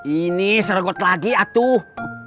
ini sergot lagi atuh